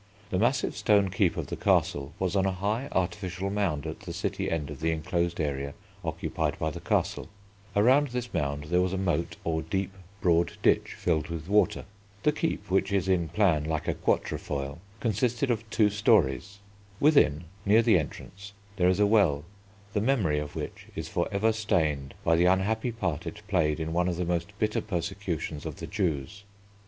The massive stone Keep of the Castle was on a high artificial mound at the city end of the enclosed area occupied by the Castle. Around this mound there was a moat, or deep, broad ditch filled with water. The Keep, which is in plan like a quatrefoil, consisted of two storeys. Within, near the entrance, there is a well, the memory of which is for ever stained by the unhappy part it played in one of the most bitter persecutions of the Jews.